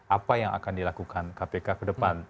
apa yang akan dilakukan kpk ke depan